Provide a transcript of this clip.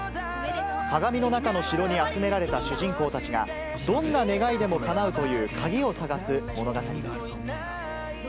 鏡の中の城に集められた主人公たちが、どんな願いでもかなうという鍵を探す物語です。